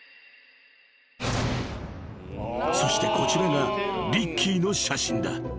［そしてこちらがリッキーの写真だ］